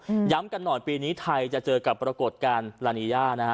ย้ำกันหน่อยปีนี้ไทยจะเจอกับปรากฏการณ์ลานีย่านะฮะ